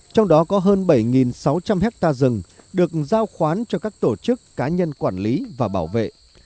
trong đó có hơn bảy sáu trăm linh hectare rừng được giao khoán cho các tổ chức cá nhân quản lý và bảo vệ